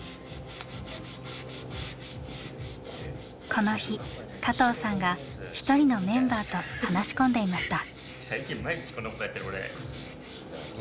この日加藤さんが一人のメンバーと話し込んでいました。